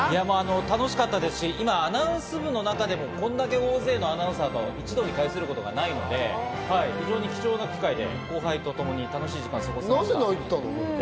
楽しかったですし、アナウンス部の中でも、これだけ大勢のアナウンサーと一堂に会することがないので非常に貴重な機会で、後輩と共に楽しい時間を過ごさせていただきました。